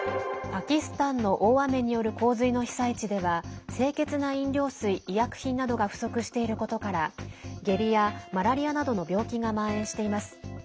パキスタンの大雨による洪水の被災地では清潔な飲料水、医薬品などが不足していることから下痢や、マラリアなどの病気がまん延しています。